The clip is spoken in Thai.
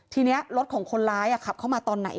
ทีนี้รถของคนร้ายขับเข้ามาตอนไหน